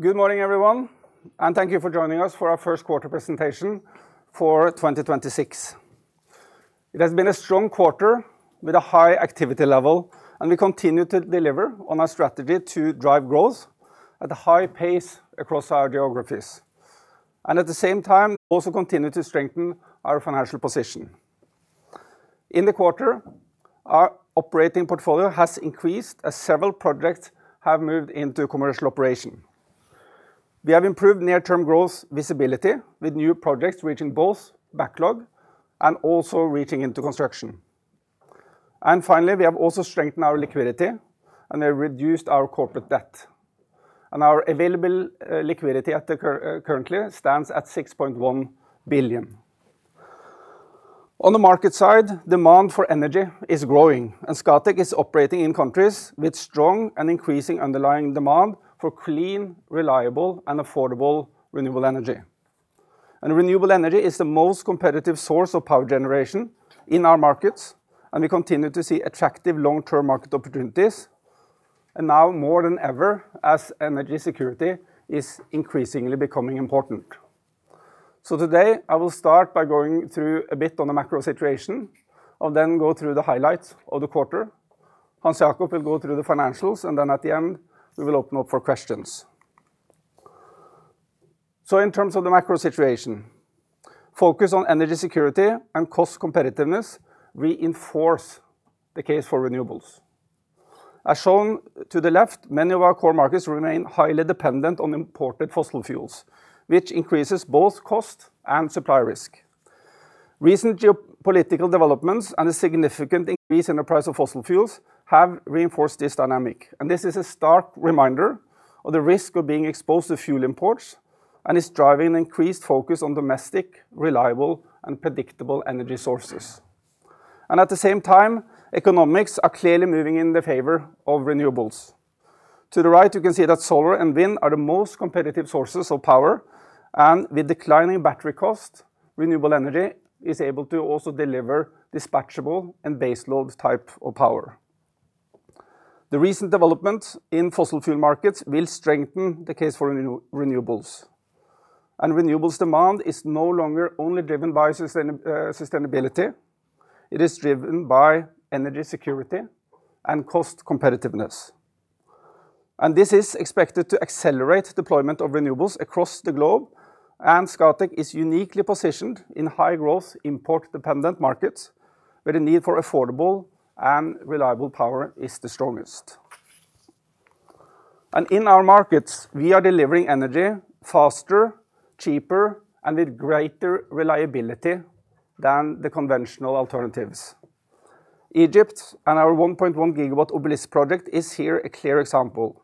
Good morning, everyone, thank you for joining us for our first quarter presentation for 2026. It has been a strong quarter with a high activity level, we continue to deliver on our strategy to drive growth at a high pace across our geographies. At the same time, also continue to strengthen our financial position. In the quarter, our operating portfolio has increased as several projects have moved into commercial operation. We have improved near-term growth visibility with new projects reaching both backlog and also reaching into construction. Finally, we have also strengthened our liquidity and have reduced our corporate debt. Our available liquidity currently stands at 6.1 billion. On the market side, demand for energy is growing, Scatec is operating in countries with strong and increasing underlying demand for clean, reliable, and affordable renewable energy. Renewable energy is the most competitive source of power generation in our markets, and we continue to see attractive long-term market opportunities, and now more than ever as energy security is increasingly becoming important. Today I will start by going through a bit on the macro situation and then go through the highlights of the quarter. Hans Jakob will go through the financials, at the end, we will open up for questions. In terms of the macro situation, focus on energy security and cost competitiveness reinforce the case for renewables. As shown to the left, many of our core markets remain highly dependent on imported fossil fuels, which increases both cost and supply risk. Recent geopolitical developments and a significant increase in the price of fossil fuels have reinforced this dynamic, and this is a stark reminder of the risk of being exposed to fuel imports and is driving an increased focus on domestic, reliable, and predictable energy sources. At the same time, economics are clearly moving in the favor of renewables. To the right, you can see that solar and wind are the most competitive sources of power, and with declining battery cost, renewable energy is able to also deliver dispatchable and base load type of power. The recent developments in fossil fuel markets will strengthen the case for renewables. Renewables demand is no longer only driven by sustainability. It is driven by energy security and cost competitiveness. This is expected to accelerate deployment of renewables across the globe, Scatec is uniquely positioned in high-growth, import-dependent markets where the need for affordable and reliable power is the strongest. In our markets, we are delivering energy faster, cheaper, and with greater reliability than the conventional alternatives. Egypt and our 1.1 GW Obelisk project is here a clear example.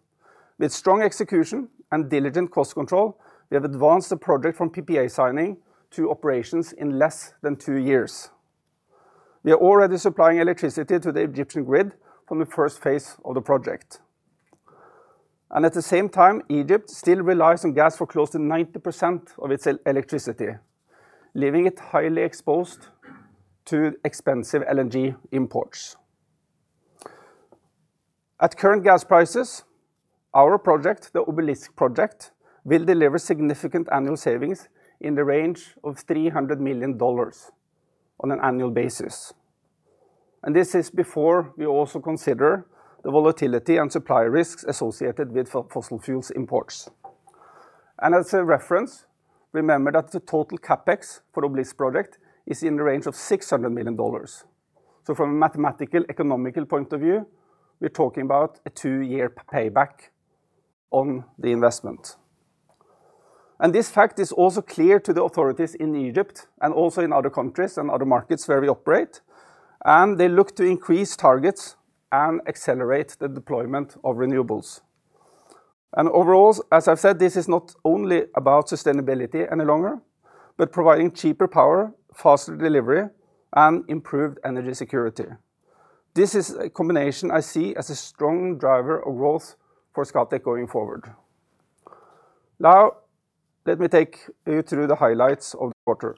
With strong execution and diligent cost control, we have advanced the project from PPA signing to operations in less than two years. We are already supplying electricity to the Egyptian grid from the first phase of the project. At the same time, Egypt still relies on gas for close to 90% of its electricity, leaving it highly exposed to expensive LNG imports. At current gas prices, our project, the Obelisk project, will deliver significant annual savings in the range of $300 million on an annual basis. This is before we also consider the volatility and supply risks associated with fossil fuels imports. As a reference, remember that the total CapEx for Obelisk project is in the range of $600 million. From a mathematical economical point of view, we're talking about a two-year payback on the investment. This fact is also clear to the authorities in Egypt and also in other countries and other markets where we operate, and they look to increase targets and accelerate the deployment of renewables. Overall, as I've said, this is not only about sustainability any longer, but providing cheaper power, faster delivery, and improved energy security. This is a combination I see as a strong driver of growth for Scatec going forward. Now, let me take you through the highlights of the quarter.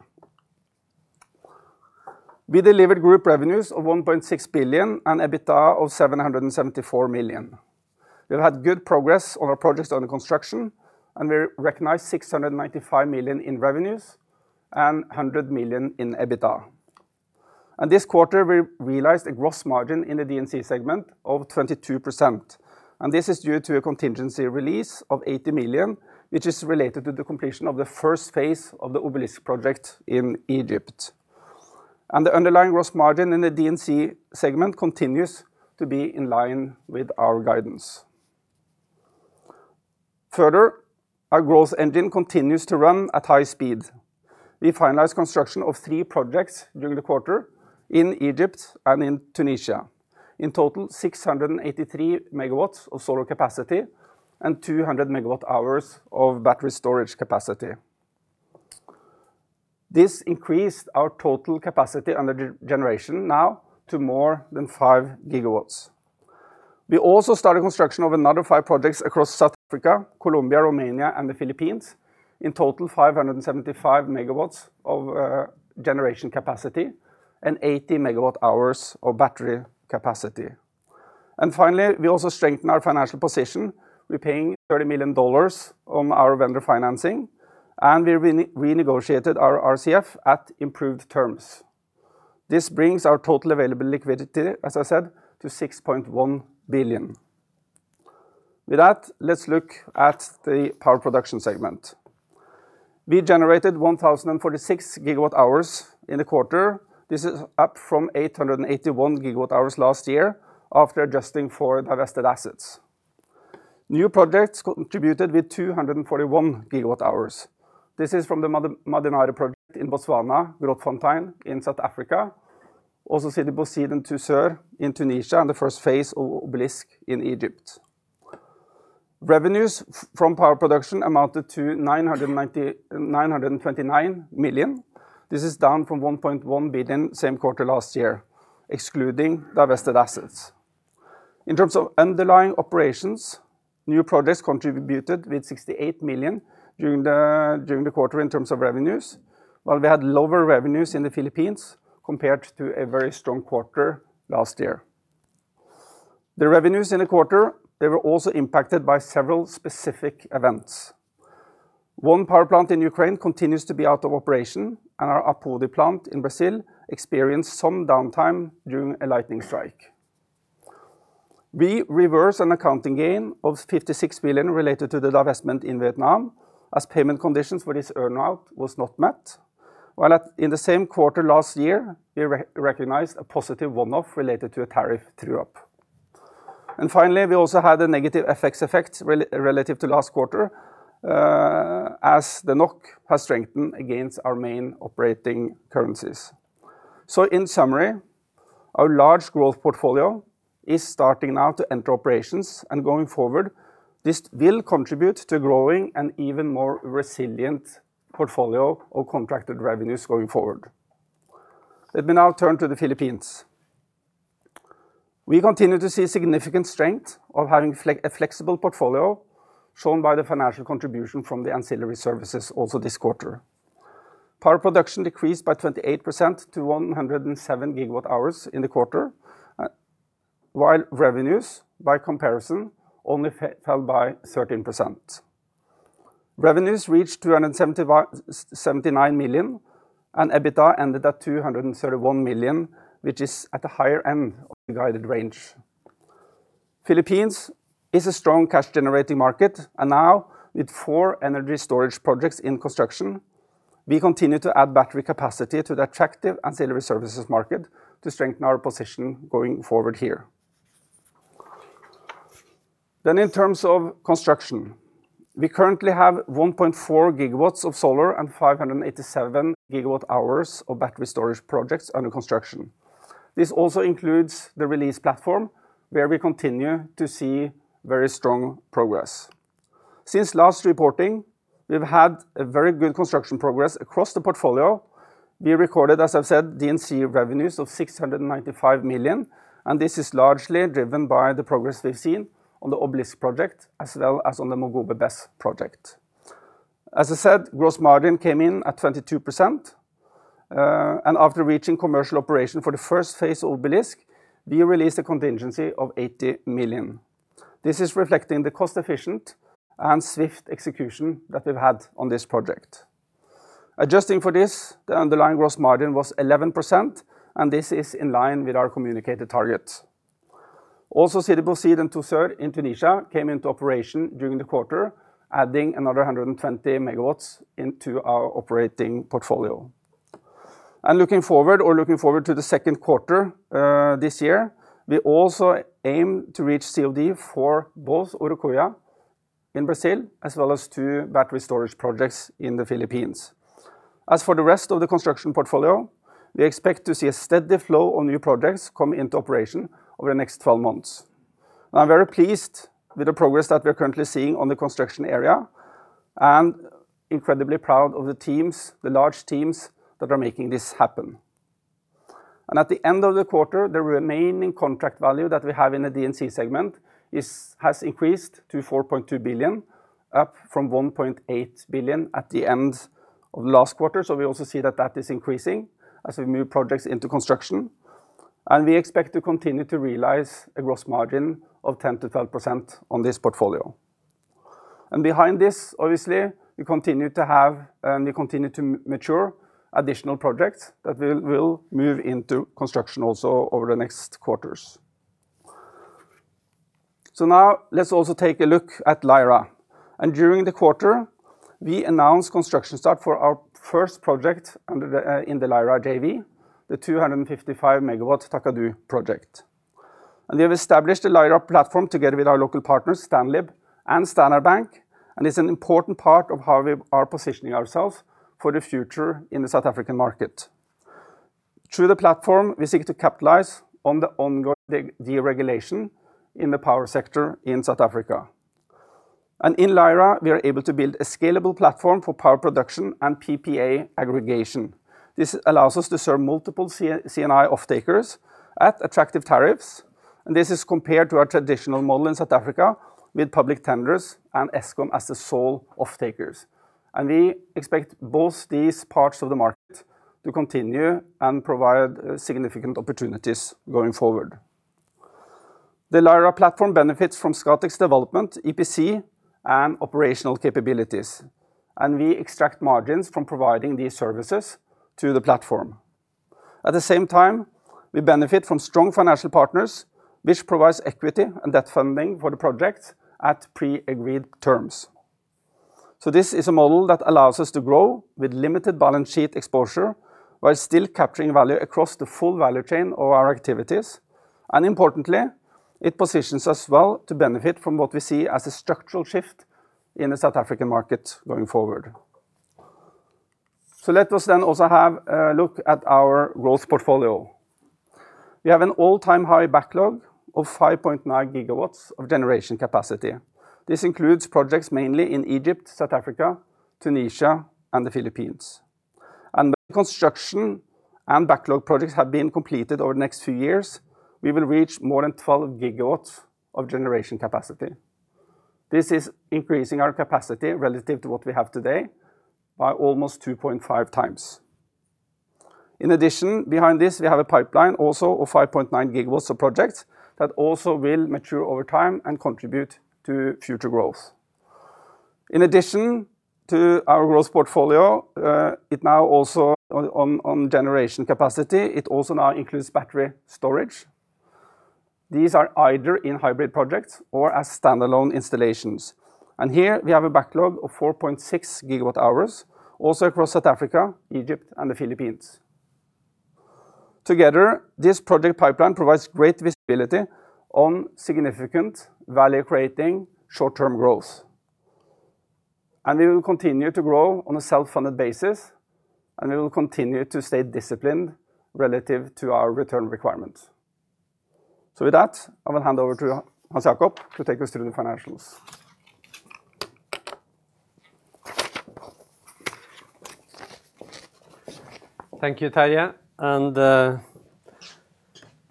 We delivered group revenues of 1.6 billion and EBITDA of 774 million. We've had good progress on our projects under construction, and we recognized 695 million in revenues and 100 million in EBITDA. This quarter, we realized a gross margin in the D&C segment of 22%, and this is due to a contingency release of 80 million, which is related to the completion of the first phase of the Obelisk project in Egypt. The underlying gross margin in the D&C segment continues to be in line with our guidance. Our growth engine continues to run at high speed. We finalized construction of three projects during the quarter in Egypt and in Tunisia. In total, 683 MW of solar capacity and 200 MWh of battery storage capacity. This increased our total capacity under generation now to more than 5 GW. We also started construction of another five projects across South Africa, Colombia, Romania, and the Philippines. In total, 575 MW of generation capacity. 80 MWh of battery capacity. Finally, we also strengthen our financial position. We're paying $30 million on our vendor financing, and we renegotiated our RCF at improved terms. This brings our total available liquidity, as I said, to $6.1 billion. With that, let's look at the power production segment. We generated 1,046 GWh in the quarter. This is up from 881 GWh last year after adjusting for divested assets. New projects contributed with 241 GWh. This is from the Mmadinare project in Botswana, Grootfontein in South Africa, also Sidi Bouzid, Tozeur in Tunisia, and the first phase of Obelisk in Egypt. Revenues from power production amounted to 990,929 million. This is down from 1.1 billion same quarter last year, excluding divested assets. In terms of underlying operations, new projects contributed with 68 million during the quarter in terms of revenues, while we had lower revenues in the Philippines compared to a very strong quarter last year. The revenues in the quarter, they were also impacted by several specific events. One power plant in Ukraine continues to be out of operation, and our Apodi plant in Brazil experienced some downtime during a lightning strike. We reversed an accounting gain of 56 million related to the divestment in Vietnam, as payment conditions for this earn-out was not met. In the same quarter last year, we recognized a positive one-off related to a tariff true-up. Finally, we also had a negative FX effect relative to last quarter, as the NOK has strengthened against our main operating currencies. In summary, our large growth portfolio is starting now to enter operations, and going forward, this will contribute to growing an even more resilient portfolio of contracted revenues going forward. Let me now turn to the Philippines. We continue to see significant strength of having a flexible portfolio, shown by the financial contribution from the ancillary services also this quarter. Power production decreased by 28% to 107 GWh in the quarter, while revenues, by comparison, only fell by 13%. Revenues reached 275 79 million, and EBITDA ended at 231 million, which is at the higher end of the guided range. Philippines is a strong cash-generating market. Now, with four energy storage projects in construction, we continue to add battery capacity to the attractive ancillary services market to strengthen our position going forward here. In terms of construction, we currently have 1.4 GW of solar and 587 GWh of battery storage projects under construction. This also includes the Release platform, where we continue to see very strong progress. Since last reporting, we've had a very good construction progress across the portfolio. We recorded, as I've said, D&C revenues of 695 million. This is largely driven by the progress we've seen on the Obelisk project, as well as on the Mogobe BESS project. As I said, gross margin came in at 22%. After reaching commercial operation for the first phase of Obelisk, we released a contingency of 80 million. This is reflecting the cost-efficient and swift execution that we've had on this project. Adjusting for this, the underlying gross margin was 11%. This is in line with our communicated targets. Sidi Bouzid, Tozeur in Tunisia came into operation during the quarter, adding another 120 MW into our operating portfolio. Looking forward to the second quarter this year, we also aim to reach COD for both Urucuia in Brazil, as well as two battery storage projects in the Philippines. As for the rest of the construction portfolio, we expect to see a steady flow of new projects come into operation over the next 12 months. I'm very pleased with the progress that we're currently seeing on the construction area, and incredibly proud of the teams, the large teams that are making this happen. At the end of the quarter, the remaining contract value that we have in the D&C segment has increased to 4.2 billion, up from 1.8 billion at the end of last quarter. We also see that that is increasing as we move projects into construction, and we expect to continue to realize a gross margin of 10%-12% on this portfolio. Behind this, obviously, we continue to have, and we continue to mature additional projects that we'll move into construction also over the next quarters. Now let's also take a look at Lyra. During the quarter, we announced construction start for our first project under the Lyra JV, the 255 MW Thakadu project. We have established a Lyra platform together with our local partners, STANLIB and Standard Bank, and it's an important part of how we are positioning ourselves for the future in the South African market. Through the platform, we seek to capitalize on the ongoing deregulation in the power sector in South Africa. In Lyra, we are able to build a scalable platform for power production and PPA aggregation. This allows us to serve multiple C&I off-takers at attractive tariffs. This is compared to our traditional model in South Africa with public tenders and Eskom as the sole off-takers. We expect both these parts of the market to continue and provide significant opportunities going forward. The Lyra platform benefits from Scatec's development, EPC, and operational capabilities, and we extract margins from providing these services to the platform. At the same time, we benefit from strong financial partners, which provides equity and debt funding for the project at pre-agreed terms. This is a model that allows us to grow with limited balance sheet exposure while still capturing value across the full value chain of our activities. Importantly, it positions us well to benefit from what we see as a structural shift in the South African market going forward. Let us then also have a look at our growth portfolio. We have an all-time high backlog of 5.9 GW of generation capacity. This includes projects mainly in Egypt, South Africa, Tunisia, and the Philippines. When construction and backlog projects have been completed over the next few years, we will reach more than 12 GW of generation capacity. This is increasing our capacity relative to what we have today by almost 2.5x. In addition, behind this, we have a pipeline also of 5.9 GW of projects that also will mature over time and contribute to future growth. In addition to our growth portfolio, it now also on generation capacity, it also now includes battery storage. These are either in hybrid projects or as standalone installations. Here we have a backlog of 4.6 GWh, also across South Africa, Egypt, and the Philippines. Together, this project pipeline provides great visibility on significant value-creating short-term growth. We will continue to grow on a self-funded basis, and we will continue to stay disciplined relative to our return requirements. With that, I will hand over to Hans Jakob to take us through the financials. Thank you, Terje.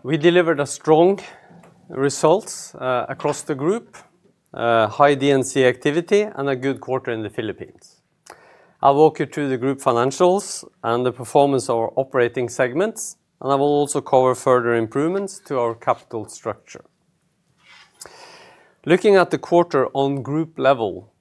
We delivered strong results across the group, high D&C activity and a good quarter in the Philippines. I'll walk you through the group financials and the performance of our operating segments, I will also cover further improvements to our capital structure. Looking at the quarter on group level.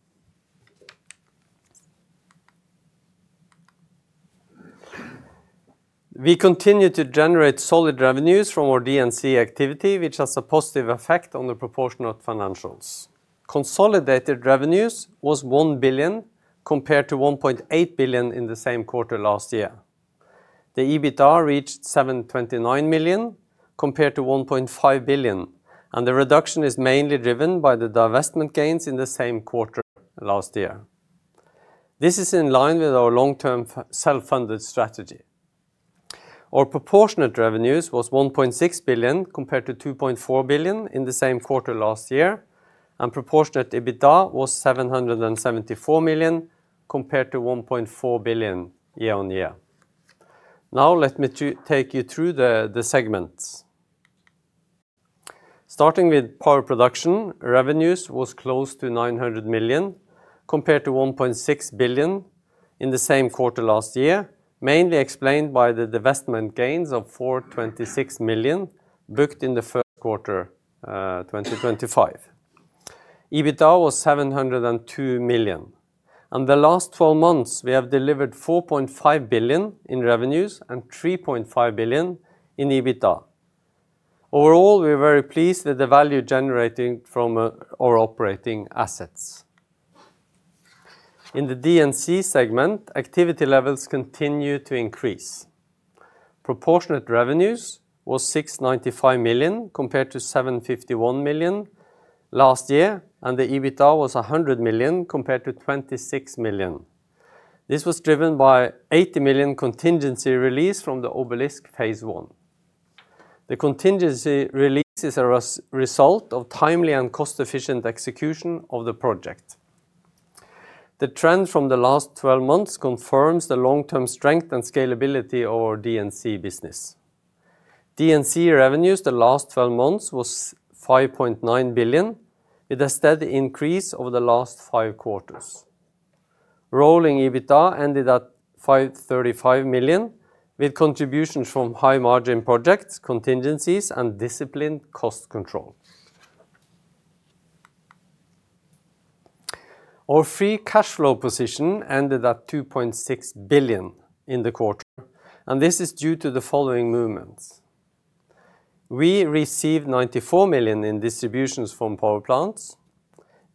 We continue to generate solid revenues from our D&C activity, which has a positive effect on the proportionate financials. Consolidated revenues were 1 billion compared to 1.8 billion in the same quarter last year. The EBITDA reached 729 million compared to 1.5 billion, the reduction is mainly driven by the divestment gains in the same quarter last year. This is in line with our long-term self-funded strategy. Our proportionate revenues was 1.6 billion compared to 2.4 billion in the same quarter last year, and proportionate EBITDA was 774 million compared to 1.4 billion year-on-year. Now let me take you through the segments. Starting with power production, revenues was close to 900 million compared to 1.6 billion in the same quarter last year, mainly explained by the divestment gains of 426 million booked in the first quarter 2025. EBITDA was 702 million. In the last 12 months, we have delivered 4.5 billion in revenues and 3.5 billion in EBITDA. Overall, we are very pleased with the value generating from our operating assets. In the D&C segment, activity levels continue to increase. Proportionate revenues was 695 million compared to 751 million last year, and the EBITDA was 100 million compared to 26 million. This was driven by 80 million contingency release from the Obelisk phase I. The contingency release is a result of timely and cost-efficient execution of the project. The trend from the last 12 months confirms the long-term strength and scalability of our D&C business. D&C revenues the last 12 months was 5.9 billion, with a steady increase over the last five quarters. Rolling EBITDA ended at 535 million, with contributions from high-margin projects, contingencies, and disciplined cost control. Our free cash flow position ended at 2.6 billion in the quarter. This is due to the following movements. We received 94 million in distributions from power plants,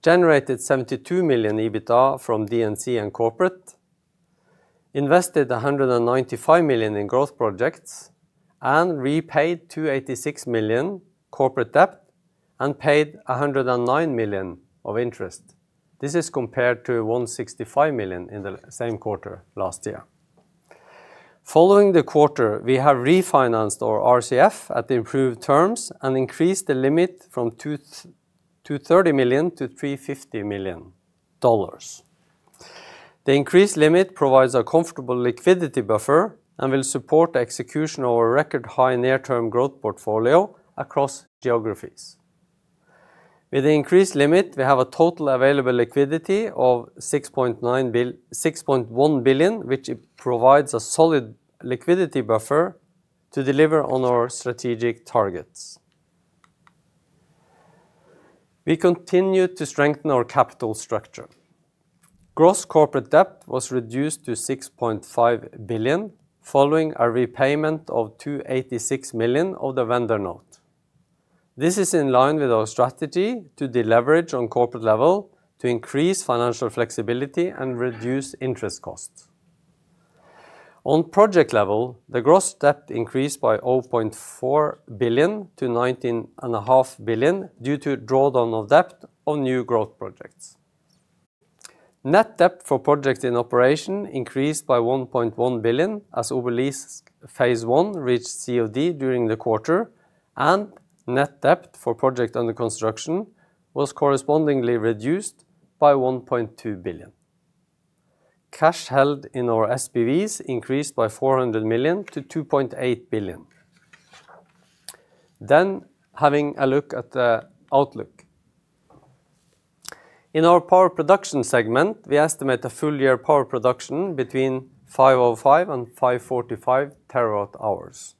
generated 72 million EBITDA from D&C and corporate, invested 195 million in growth projects, and repaid 286 million corporate debt and paid 109 million of interest. This is compared to 165 million in the same quarter last year. Following the quarter, we have refinanced our RCF at the improved terms and increased the limit from $230 million-$350 million. The increased limit provides a comfortable liquidity buffer and will support the execution of our record high near-term growth portfolio across geographies. With the increased limit, we have a total available liquidity of 6.1 billion, which provides a solid liquidity buffer to deliver on our strategic targets. We continue to strengthen our capital structure. Gross corporate debt was reduced to 6.5 billion following a repayment of 286 million of the vendor note. This is in line with our strategy to deleverage on corporate level to increase financial flexibility and reduce interest costs. On project level, the gross debt increased by 0.4 billion to 19.5 billion due to drawdown of debt on new growth projects. Net debt for project in operation increased by 1.1 billion as Obelisk phase I reached COD during the quarter, and net debt for project under construction was correspondingly reduced by 1.2 billion. Cash held in our SPVs increased by 400 million-2.8 billion. Having a look at the outlook. In our Power Production segment, we estimate a full year power production between 505 and 545 terawatt hours.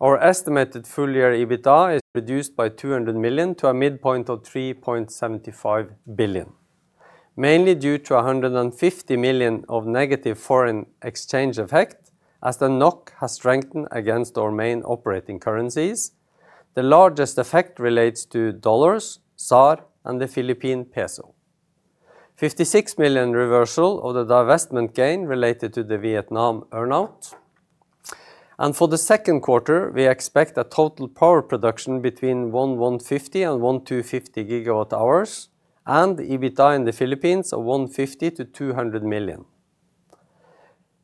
Our estimated full year EBITDA is reduced by 200 million to a midpoint of 3.75 billion, mainly due to 150 million of negative foreign exchange effect as the NOK has strengthened against our main operating currencies. The largest effect relates to dollars, ZAR, and the Philippine peso. 56 million reversal of the divestment gain related to the Vietnam earn-out. For the second quarter, we expect a total power production between 1,150 and 1,250 GWh and EBITDA in the Philippines of 150 million-200 million.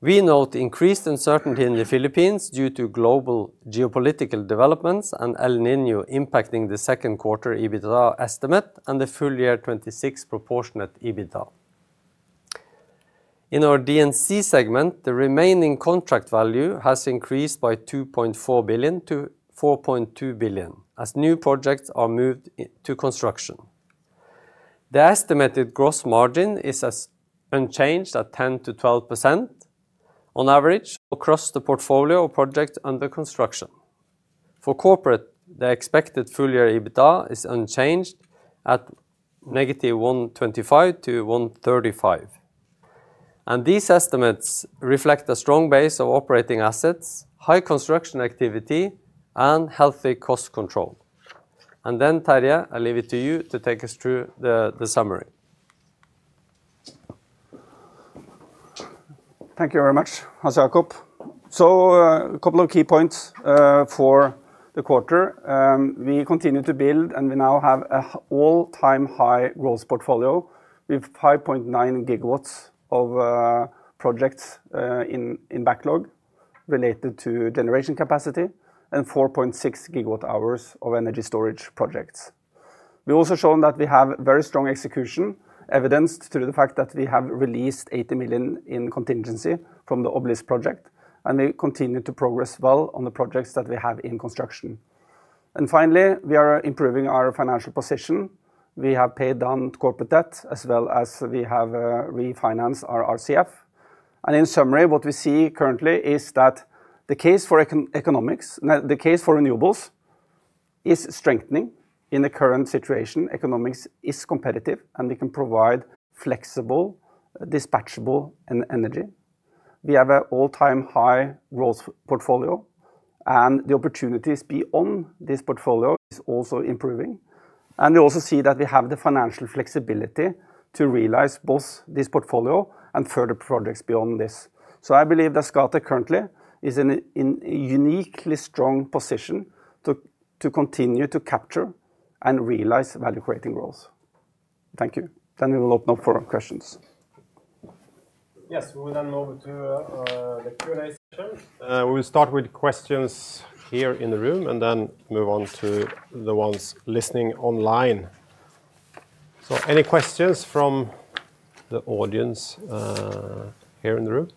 We note increased uncertainty in the Philippines due to global geopolitical developments and El Niño impacting the second quarter EBITDA estimate and the full year 2026 proportionate EBITDA. In our D&C segment, the remaining contract value has increased by 2.4 billion-4.2 billion as new projects are moved to construction. The estimated gross margin is unchanged at 10%-12% on average across the portfolio of projects under construction. For corporate, the expected full year EBITDA is unchanged at -125 to -135. These estimates reflect a strong base of operating assets, high construction activity, and healthy cost control. Terje, I leave it to you to take us through the summary. Thank you very much, Hans Jakob. A couple of key points for the quarter. We continue to build, and we now have a all-time high growth portfolio with 5.9 GW of projects in backlog related to generation capacity and 4.6 GWh of energy storage projects. We've also shown that we have very strong execution evidenced through the fact that we have released 80 million in contingency from the Obelisk project, and we continue to progress well on the projects that we have in construction. Finally, we are improving our financial position. We have paid down corporate debt as well as we have refinanced our RCF. In summary, what we see currently is that the case for economics The case for renewables is strengthening in the current situation. Economics is competitive. We can provide flexible, dispatchable energy. We have an all-time high growth portfolio. The opportunities beyond this portfolio is also improving. We also see that we have the financial flexibility to realize both this portfolio and further projects beyond this. I believe that Scatec currently is in a uniquely strong position to continue to capture and realize value-creating growth. Thank you. We will open up for questions. Yes. We will move to the Q&A session. We will start with questions here in the room and move on to the ones listening online. Any questions from the audience here in the room?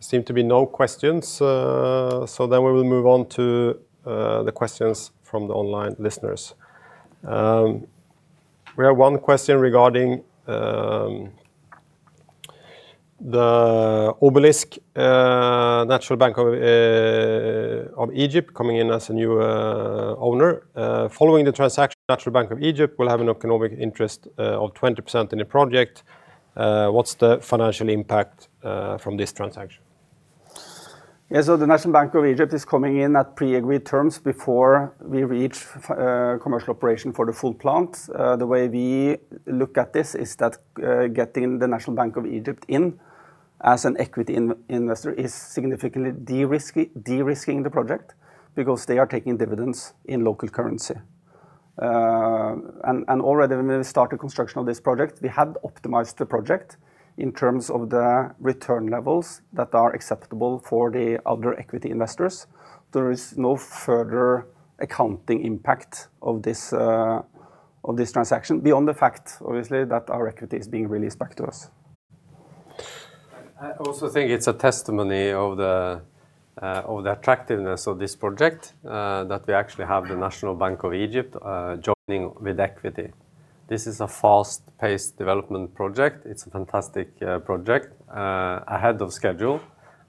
Seem to be no questions. We will move on to the questions from the online listeners. We have one question regarding the Obelisk, National Bank of Egypt coming in as a new owner. Following the transaction, National Bank of Egypt will have an economic interest of 20% in the project. What's the financial impact from this transaction? The National Bank of Egypt is coming in at pre-agreed terms before we reach commercial operation for the full plant. The way we look at this is that getting the National Bank of Egypt in as an equity investor is significantly de-risking the project because they are taking dividends in local currency. Already when we started construction of this project, we had optimized the project in terms of the return levels that are acceptable for the other equity investors. There is no further accounting impact of this transaction beyond the fact, obviously, that our equity is being released back to us. I also think it's a testimony of the attractiveness of this project that we actually have the National Bank of Egypt joining with equity. This is a fast-paced development project. It's a fantastic project ahead of schedule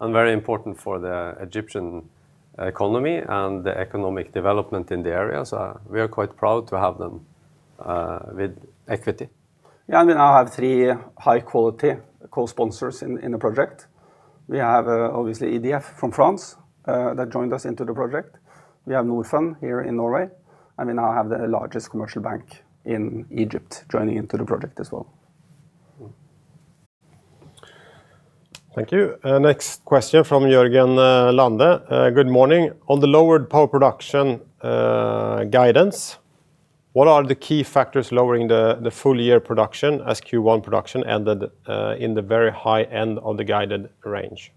and very important for the Egyptian economy and the economic development in the area. We are quite proud to have them with equity. I mean, I have three high-quality co-sponsors in the project. We have obviously EDF from France that joined us into the project. We have Norfund here in Norway, and we now have the largest commercial bank in Egypt joining into the project as well. Thank you. Next question from Jørgen Lande. "Good morning. On the lowered power production guidance, what are the key factors lowering the full-year production as Q1 production ended in the very high end of the guided range?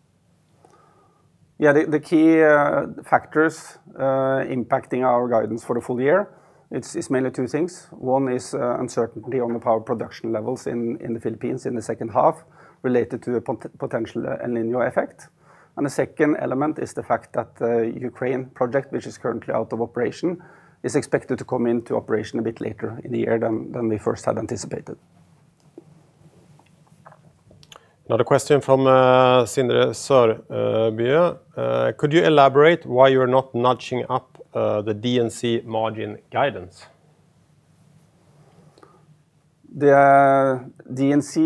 Yeah, the key factors impacting our guidance for the full year, it's mainly two things. One is uncertainty on the power production levels in the Philippines in the second half related to a potential El Niño effect. The second element is the fact that the Ukraine project, which is currently out of operation, is expected to come into operation a bit later in the year than we first had anticipated. Another question from Sindre Sørbø. "Could you elaborate why you are not notching up the D&C margin guidance? The D&C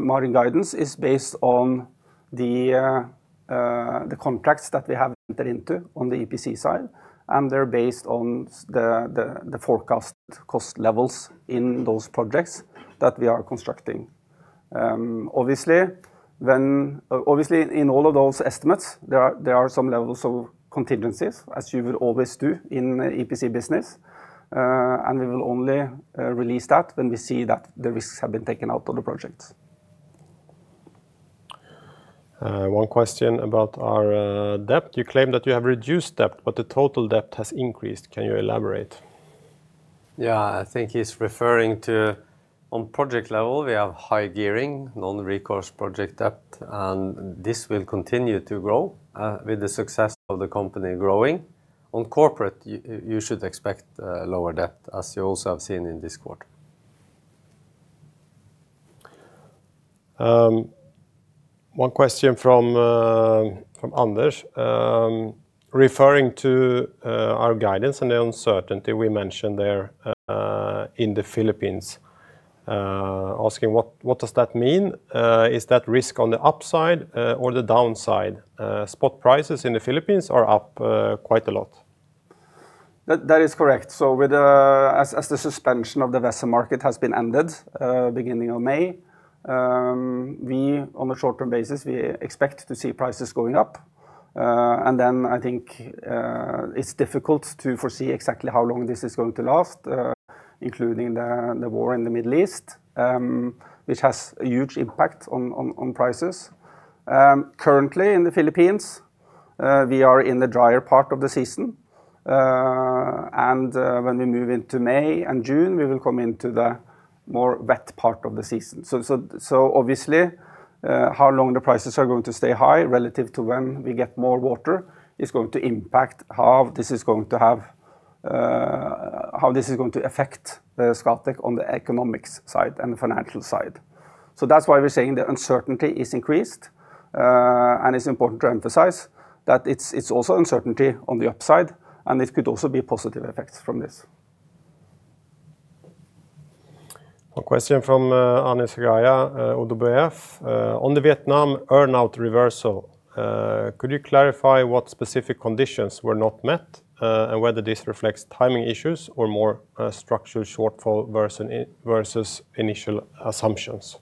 margin guidance is based on the contracts that we have entered into on the EPC side, and they're based on the forecast cost levels in those projects that we are constructing. Obviously, in all of those estimates, there are some levels of contingencies, as you would always do in EPC business. We will only release that when we see that the risks have been taken out of the projects. One question about our debt. "You claim that you have reduced debt, but the total debt has increased. Can you elaborate? Yeah. I think he's referring to on project level, we have high gearing, non-recourse project debt, and this will continue to grow with the success of the company growing. On corporate, you should expect lower debt, as you also have seen in this quarter. One question from Anders referring to our guidance and the uncertainty we mentioned there in the Philippines. Asking what does that mean? Is that risk on the upside or the downside? Spot prices in the Philippines are up quite a lot. That is correct. With the as the suspension of the WESM market has been ended, beginning of May, we, on a short-term basis, we expect to see prices going up. I think it's difficult to foresee exactly how long this is going to last, including the war in the Middle East, which has a huge impact on prices. Currently in the Philippines, we are in the drier part of the season. When we move into May and June, we will come into the more wet part of the season. Obviously, how long the prices are going to stay high relative to when we get more water is going to impact how this is going to have, how this is going to affect the Scatec on the economics side and the financial side. That's why we're saying the uncertainty is increased. It's important to emphasize that it's also uncertainty on the upside, and it could also be positive effects from this. One question from Anis Zgaya, ODDO BHF. On the Vietnam earn-out reversal, could you clarify what specific conditions were not met, and whether this reflects timing issues or more a structural shortfall versus initial assumptions?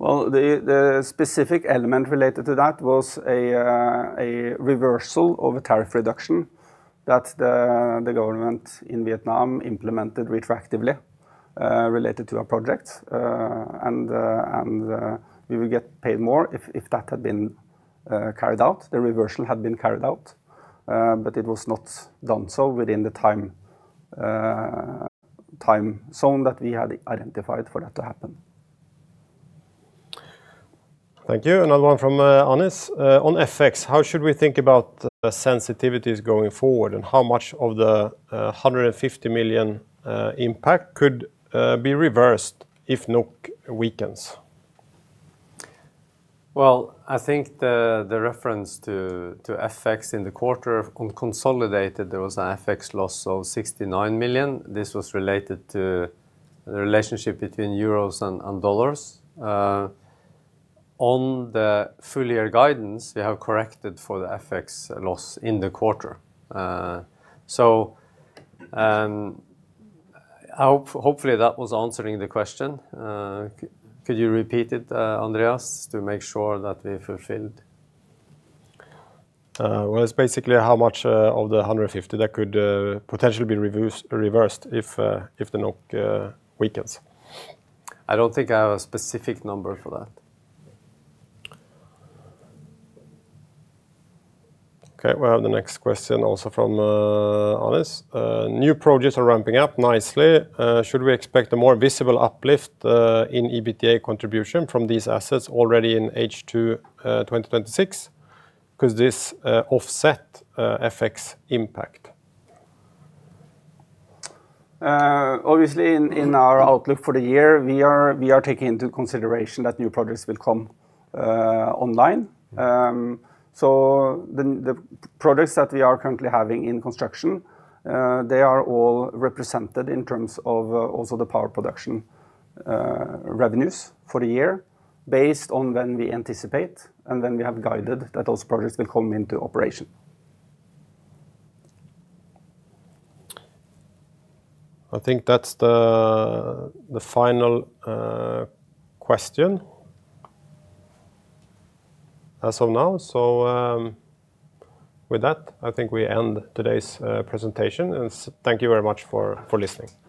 Well, the specific element related to that was a reversal of a tariff reduction that the government in Vietnam implemented retroactively related to our project. We would get paid more if that had been carried out, the reversal had been carried out. It was not done so within the time zone that we had identified for that to happen. Thank you. Another one from Anis. On FX, how should we think about the sensitivities going forward, and how much of the 150 million impact could be reversed if NOK weakens? Well, I think the reference to FX in the quarter, on consolidated, there was an FX loss of 69 million. This was related to the relationship between euros and dollars. On the full-year guidance, we have corrected for the FX loss in the quarter. Hopefully that was answering the question. Could you repeat it, Andreas, to make sure that we fulfilled? Well, it's basically how much of the 150 million that could potentially be reversed if the NOK weakens. I don't think I have a specific number for that. Okay. We have the next question also from Anis. "New projects are ramping up nicely. Should we expect a more visible uplift in EBITDA contribution from these assets already in H2 2026? Could this offset FX impact? Obviously in our outlook for the year, we are taking into consideration that new projects will come online. The projects that we are currently having in construction, they are all represented in terms of also the power production revenues for the year based on when we anticipate and when we have guided that those projects will come into operation. I think that's the final question as of now. With that, I think we end today's presentation and thank you very much for listening.